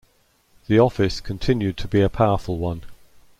The office continued to be a powerful one.